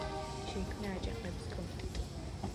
შეიქმნა აჯანყების კომიტეტი.